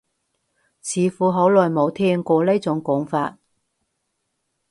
似乎好耐冇聽過呢種講法